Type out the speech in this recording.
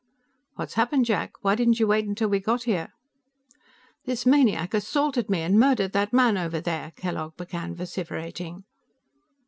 "What's happened, Jack? Why didn't you wait till we got here?" "This maniac assaulted me and murdered that man over there!" Kellogg began vociferating.